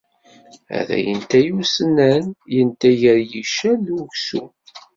Ha-t-a yenta-yi usennan, yenta gar yiccer d uksum.